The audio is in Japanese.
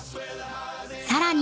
［さらに］